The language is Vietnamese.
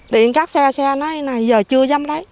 điện các xe xe nói giờ chưa dám lấy